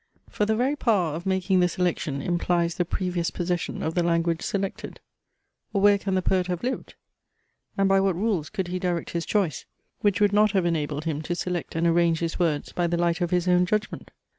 For the very power of making the selection implies the previous possession of the language selected. Or where can the poet have lived? And by what rules could he direct his choice, which would not have enabled him to select and arrange his words by the light of his own judgment?